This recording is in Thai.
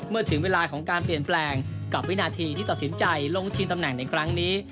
เมื่อถึงเวลาของการเปลี่ยนแปลงกับวินาทีที่ตัดสินใจลงชิงตำแหน่งในครั้งนี้